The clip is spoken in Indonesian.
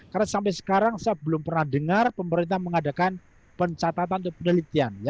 karena sampai sekarang saya belum pernah dengar pemerintah mengadakan pencatatan atau penelitian